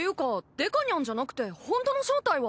デカニャンじゃなくてホントの正体は。